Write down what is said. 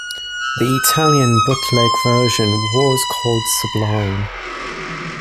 The Italian bootleg version was called "Subline".